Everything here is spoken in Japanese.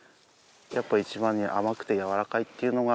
やっぱいちばんに甘くてやわらかいっていうのが。